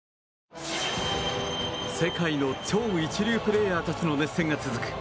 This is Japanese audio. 世界の超一流プレーヤーたちの熱戦が続く